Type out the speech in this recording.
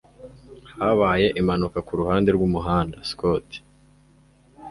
Habaye impanuka kuruhande rwumuhanda. (Scott)